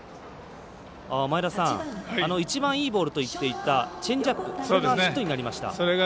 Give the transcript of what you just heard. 前田さん、一番いいボールといっていたチェンジアップヒットになりました。